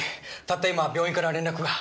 たった今病院から連絡が。